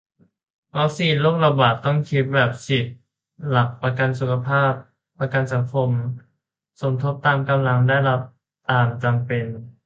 วัคซีนโรคระบาด ต้องคิดแบบสิทธิ์-หลักประกันสุขภาพ-ประกันสังคม สมทบตามกำลัง ได้รับตามจำเป็น